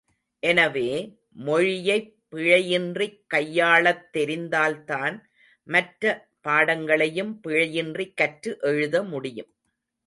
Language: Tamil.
எனவே, மொழியைப் பிழையின்றிக் கையாளத் தெரிந்தால்தான், மற்ற பாடங்களையும் பிழையின்றிக் கற்று எழுத முடியும்.